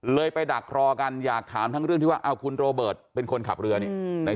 ไปดักรอกันอยากถามทั้งเรื่องที่ว่าคุณโรเบิร์ตเป็นคนขับเรือนี่